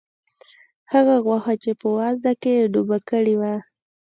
هغه غوښه چې په وازده کې یې ډوبه کړې وه.